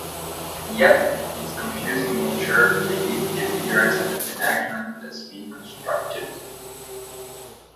Yet its confusing nature may give the appearance that an argument has been constructed.